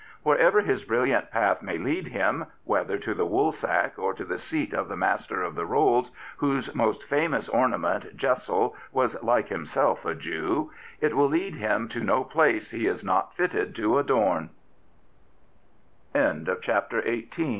Wherever his brilliant path may lead him, whether to the Woolsack or to the seat of the Master of the Rolls, whose most famous ornament, Jessel, was, like himself, a Jew, it will lead him to no place he is not fitted to ado